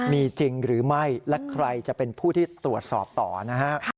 มีจริงหรือไม่และใครจะเป็นผู้ที่ตรวจสอบต่อนะฮะ